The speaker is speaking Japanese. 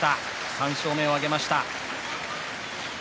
３勝目を挙げました。